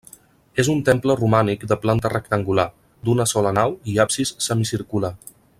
És un temple romànic de planta rectangular, d'una sola nau i absis semicircular.